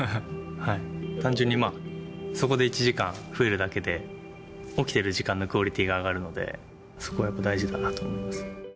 単純にそこで１時間増えるだけで、起きてる時間のクオリティーが上がるので、そこはやっぱり大事だなと思います。